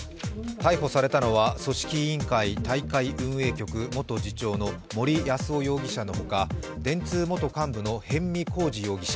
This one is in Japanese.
逮捕されたのは組織委員会大会運営局元次長の森泰夫容疑者のほか電通元幹部の逸見晃治容疑者